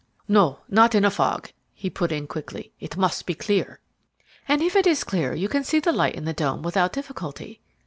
"No, not in a fog," he put in quickly. "It must be clear." "And if it is clear you can see the light in the dome without difficulty."